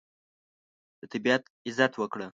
د طبیعت عزت وکړه.